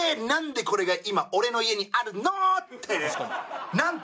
何でこれが今俺の家にあるのって！